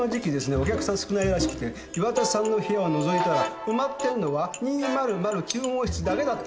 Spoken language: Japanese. お客さん少ないらしくて岩田さんの部屋を除いたら埋まってんのは「２・０・０」９号室だけだったんです。